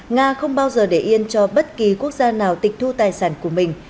nga không bao giờ để yên cho bất kỳ quốc gia nào tịch thu tài sản của mình